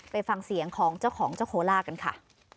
ไปฟังเสียงของเจ้าของเจ้าโคล่ากันค่ะ